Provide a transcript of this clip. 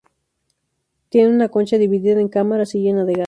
Tenían una concha dividida en cámaras y llena de gas.